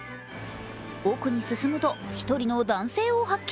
奥に進むと、１人の男性を発見。